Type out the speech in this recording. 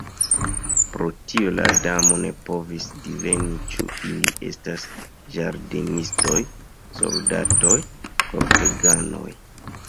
Pro tio la Damo ne povis diveni ĉu ili estas ĝardenistoj, soldatoj, korteganoj.